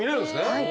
はい。